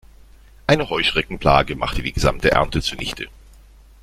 Eine Heuschreckenplage machte die gesamte Ernte zunichte.